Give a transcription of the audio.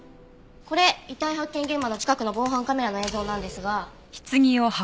これ遺体発見現場の近くの防犯カメラの映像なんですが。